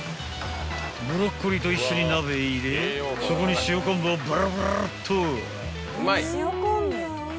［ブロッコリーと一緒に鍋へ入れそこに塩こんぶをバラバラっと］